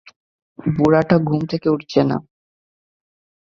বুড়োটা ঘুম থেকে উঠছে না!